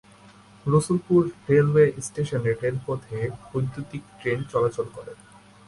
Rasulpur railway স্টেশনের রেলপথে বৈদ্যুতীক ট্রেন চলাচল করে।